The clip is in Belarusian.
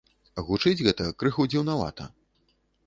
Гучыць гэта крыху дзіўнавата.